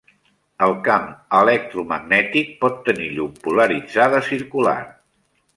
El camp electromagnètic pot tenir llum polaritzada circular.